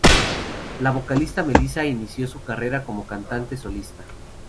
La vocalista Melissa, inició su carrera como cantante solista.